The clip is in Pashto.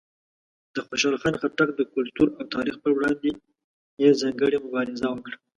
د خوشحال خان خټک د کلتور او تاریخ پر وړاندې یې ځانګړې مبارزه وکړه.